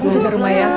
jaga rumah ya